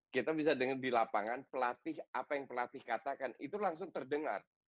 kita bisa dengar di lapangan pelatih apa yang pelatih katakan itu langsung terdengar